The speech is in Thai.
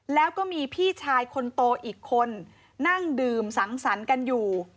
แล้วก็มีพี่ชายคนโตอีกคนนั่งดื่มสังสรรค์กันอยู่